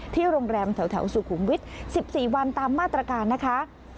โรงแรมแถวสุขุมวิทย์๑๔วันตามมาตรการนะคะ